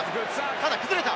ただ崩れた。